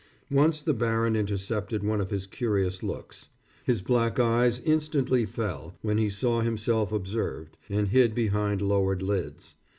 Once the baron intercepted one of his curious looks. His black eyes instantly fell, when he saw himself observed, and hid behind lowered lids.